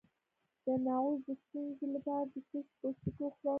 د نعوظ د ستونزې لپاره د څه شي پوستکی وخورم؟